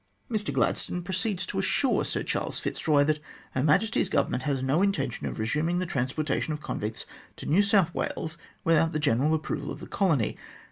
Mr Gladstone proceeds to assure Sir Charles Fitzroy that Her Majesty's Government has no intention of resuming the transportation of convicts to New South Wales without the general approval of the colony.